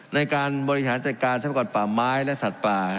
ในการบริหารจัดการทรัพยากรป่าไม้และสัตว์ป่า